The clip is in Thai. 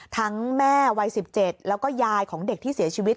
แม่วัย๑๗แล้วก็ยายของเด็กที่เสียชีวิต